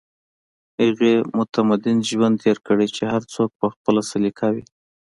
هغې متمدن ژوند تېر کړی چې هر څوک په خپله سليقه وي